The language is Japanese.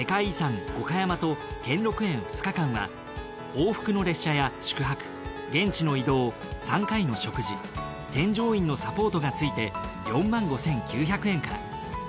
往復の列車や宿泊現地の移動３回の食事添乗員のサポートがついて４５，９００円から。